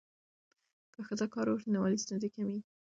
که ښځه کار وکړي، نو مالي ستونزې کمېږي.